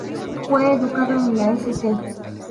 Fue educado en la St.